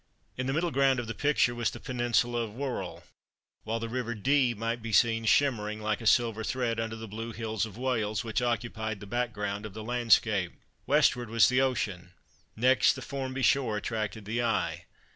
In the middle ground of the picture was the peninsula of Wirral, while the river Dee might be seen shimmering like a silver thread under the blue hills of Wales, which occupied the back ground of the landscape. Westward was the ocean next, the Formby shore attracted the eye.